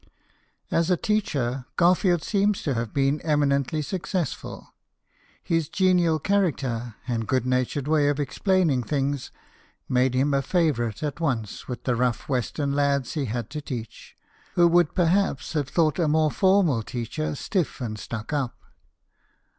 As a teacher, Garfield seems to have been eminently successful. His genial character and good natured way of explaining things made him a favourite at once with the rough western lads he had to teach, who would perhaps have thought a more formal teacher stiff and stuck up.